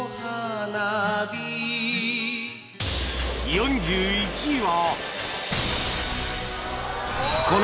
４１位は